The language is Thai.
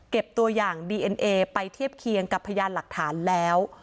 ตัวอย่างดีเอ็นเอไปเทียบเคียงกับพยานหลักฐานแล้ว